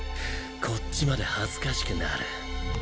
こっちまで恥ずかしくなる。